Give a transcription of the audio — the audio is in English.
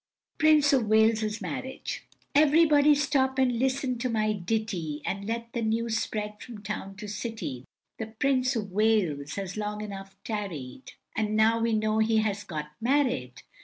PRINCE OF WALES' MARRIAGE. Everybody stop and listen to my ditty, And let the news spread from town to city, The Prince of Wales has long enough tarried, And now we know he has got married.